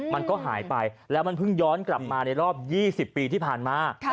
มันก็หายไปแล้วมันเพิ่งย้อนกลับมาในรอบ๒๐ปีที่ผ่านมา